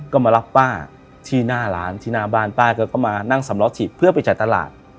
ก็มารับป้าที่หน้าร้านที่หน้าบ้านป้าแกก็มานั่งสำล้อฉีดเพื่อไปจ่ายตลาด